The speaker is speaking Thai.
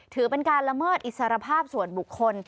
ถือเป็นการละเมิดอิสรภาพส่วนบุคคล